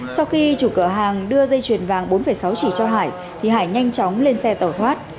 sau khi chủ cửa hàng đưa dây chuyền vàng bốn sáu chỉ cho hải thì hải nhanh chóng lên xe tẩu thoát